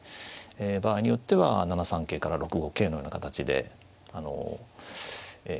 場合によっては７三桂から６五桂のような形であのええ。